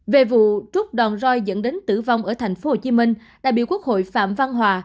về vụ rút đòn roi dẫn đến tử vong ở tp hcm đại biểu quốc hội phạm văn hòa